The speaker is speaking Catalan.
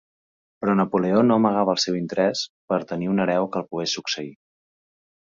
Però Napoleó no amagava el seu interès per tenir un hereu que el pogués succeir.